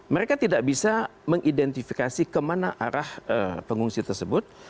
mereka tidak bisa mengidentifikasi kemana arah pengungsi tersebut